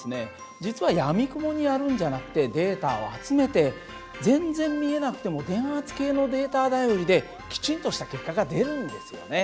実はやみくもにやるんじゃなくてデータを集めて全然見えなくても電圧計のデータ頼りできちんとした結果が出るんですよね。